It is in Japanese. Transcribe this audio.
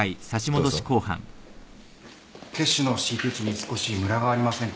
血腫のＣＴ値に少しむらがありませんか？